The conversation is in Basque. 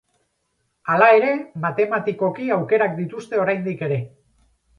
Hala ere, matematikoki aukerak dituzte oraindik ere.